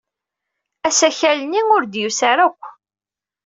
Asakal-nni ur d-yusi ara akk.